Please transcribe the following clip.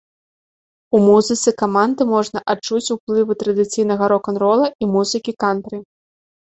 У музыцы каманды можна адчуць уплывы традыцыйнага рок-н-рола і музыкі кантры.